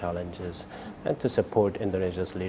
dan untuk mendukung pemerintahan g dua puluh indonesia